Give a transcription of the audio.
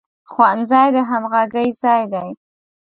ښوونځی د همغږۍ ځای دی